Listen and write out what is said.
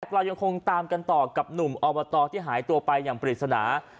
เรายังคงตามกันต่อกับหนุ่มอบตที่หายตัวไปอย่างปริศนา